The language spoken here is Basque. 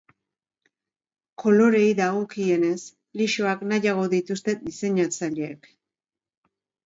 Koloreei dagokienez, lisoak nahiago dituzte diseinatzaileek.